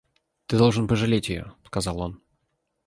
Ты должен пожалеть ее, — сказал он.